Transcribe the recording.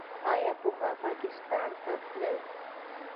آیا پخوا پاکستان ته تلل؟